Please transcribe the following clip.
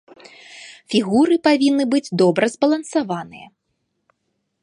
Фігуры павінны быць добра збалансаваныя.